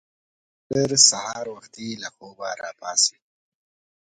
بزګر سهار وختي له خوبه راپاڅي